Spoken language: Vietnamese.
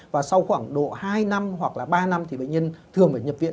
và sau khoảng độ hai năm hoặc là ba năm thì bệnh nhân thường phải nhập viện